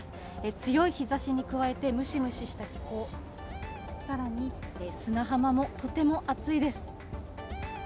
強い日差しに加えてムシムシした気候更に砂浜もとても熱いです。